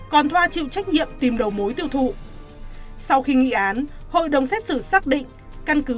còn thoa chịu trách nhiệm tìm đầu mối tiêu thụ sau khi nghị án hội đồng xét xử xác định căn cứ